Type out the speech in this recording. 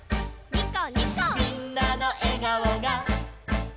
「みんなの笑顔が」「」